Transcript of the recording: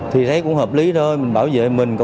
thì thấy cũng hợp lý thôi